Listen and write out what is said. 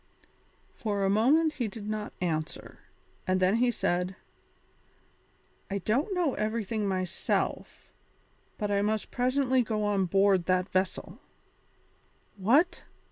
For a moment he did not answer, and then he said: "I don't know everything myself, but I must presently go on board that vessel." "What!"